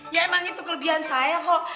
ya emang itu kelebihan saya kok